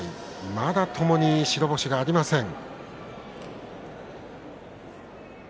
まだともに白星がありません。